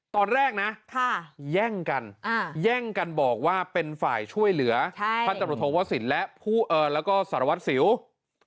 ตอนแรกนะแย่งกันแย่งกันบอกว่าเป็นฝ่ายช่วยเหลือพันธุ์ตำรวจโทวศิลป์และสารวัติศิลป์